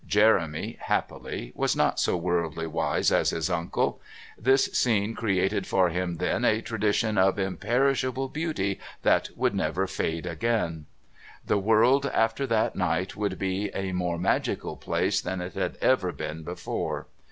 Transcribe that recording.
Jeremy, happily, was not so worldly wise as his uncle. This scene created for him then a tradition of imperishable beauty that would never fade again. The world after that night would be a more magical place than it had ever been before.